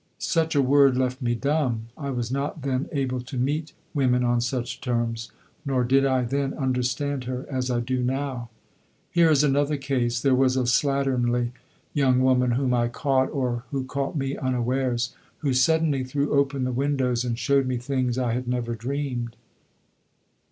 Such a word left me dumb. I was not then able to meet women on such terms. Nor did I then understand her as I do now. Here is another case. There was a slatternly young woman whom I caught, or who caught me, unawares; who suddenly threw open the windows and showed me things I had never dreamed.